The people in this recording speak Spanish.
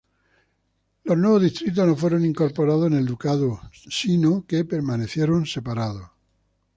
Los nuevos distritos no fueron incorporados en el ducado, sino que permanecieron separados.